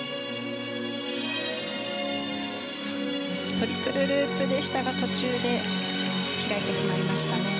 トリプルループでしたが途中で開いてしまいましたね。